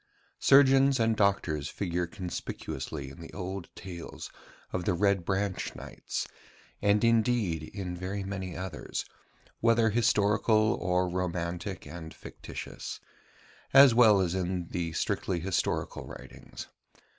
Surgeons and doctors figure conspicuously in the old tales of the Red Branch Knights, and indeed in very many others, whether historical or romantic and fictitious: as well as in the strictly historical writings.